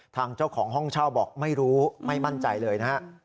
ทางเจ้าของห้องเช่าบอกไม่รู้ไม่มั่นใจเลยนะฮะ